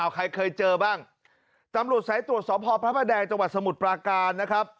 ใครเคยเจอบ้างตำรวจสายตรวจสอบพอพระประแดงจังหวัดสมุทรปราการนะครับ